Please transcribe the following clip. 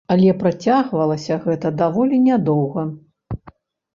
Але працягвалася гэта даволі нядоўга.